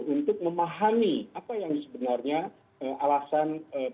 untuk memahami apa yang sebenarnya alasan